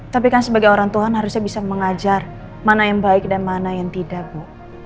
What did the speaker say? tapi kan sebagai orang tuhan harusnya bisa mengajar mana yang baik dan mana yang tidak bu